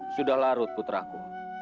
sudahlah ruth puteraku